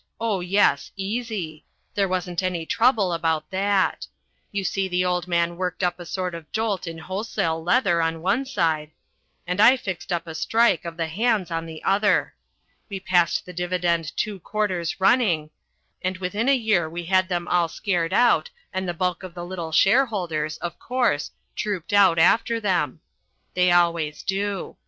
Oh, yes, easy. There wasn't any trouble about that. You see the old man worked up a sort of jolt in wholesale leather on one side, and I fixed up a strike of the hands on the other. We passed the dividend two quarters running, and within a year we had them all scared out and the bulk of the little shareholders, of course, trooped out after them. They always do.